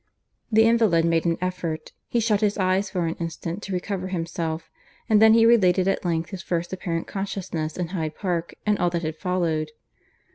The invalid made an effort; he shut his eyes for an instant to recover himself; and then he related at length his first apparent consciousness in Hyde Park, and all that had followed.